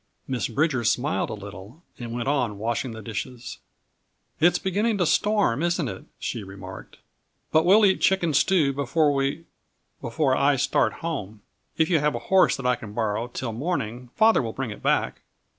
Miss Bridger smiled a little and went on washing the dishes. "It's beginning to storm, isn't it?" she remarked. "But we'll eat chicken stew before we before I start home. If you have a horse that I can borrow till morning, father will bring it back."